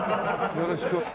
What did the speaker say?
よろしく。